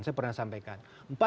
saya pernah sampaikan